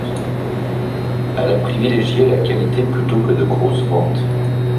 Elle a privilégé la qualité plutôt que de grosses ventes.